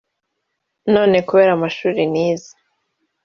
none kubera amashuri nize